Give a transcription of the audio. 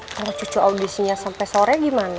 kalau cucu audisinya sampai sore gimana